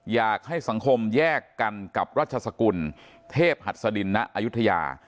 อยากให้สังคมแยกกันกับรัชสกุลเทพหัสดินณอายุทยา